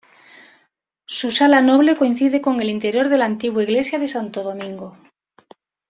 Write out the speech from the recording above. Su Sala Noble coincide con el interior de la antigua Iglesia de Santo Domingo.